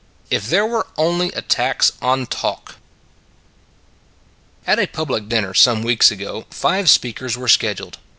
IF THERE WERE ONLY A TAX ON TALK AT a public dinner some weeks ago five speakers were scheduled.